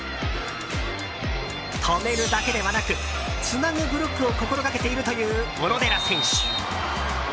止めるだけではなくつなぐブロックを心がけているという小野寺選手。